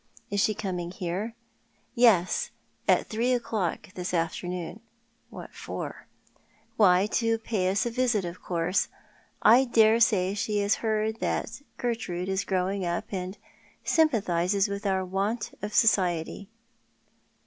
" Is she coming here ?"" Yes ; at three o'clock this afternoon." " ^Yhat for ?"" Yv'hy, to pay us a visit, of course. I daresay she has heard that Gertrude is growing up, and sympathises with our want of society."